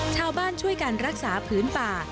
ชาวบ้านช่วยการรักษาพื้นปลา